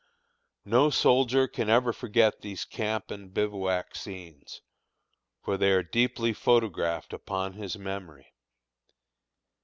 No soldier can ever forget these camp and bivouac scenes, for they are deeply photographed upon his memory.